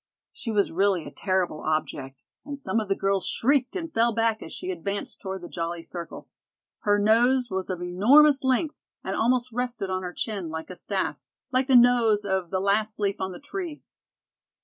She was really a terrible object, and some of the girls shrieked and fell back as she advanced toward the jolly circle. Her nose was of enormous length, and almost rested on her chin, like a staff, like the nose of "The Last Leaf on the Tree."